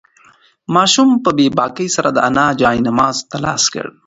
ماشوم په بې باکۍ سره د انا جاینماز ته لاس کړ.